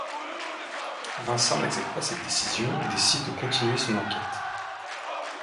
Vincent n'accepte pas cette décision et décide de continuer son enquête.